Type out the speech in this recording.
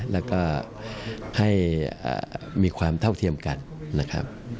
แล้วก็ให้มีความเท่าเทียมกันนะครับ